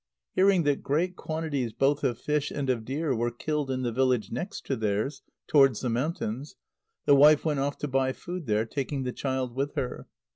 Hearing that great quantities both of fish and of deer were killed in the village next to theirs, towards the mountains, the wife went off to buy food there, taking the child with her.